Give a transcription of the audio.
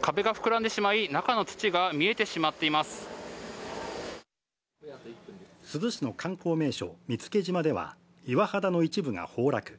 壁が膨らんでしまい、中の土珠洲市の観光名所、見附島では、岩肌の一部が崩落。